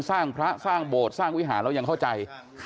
สร้างพระสร้างโบสถ์สร้างวิหารแล้วยังเข้าใจ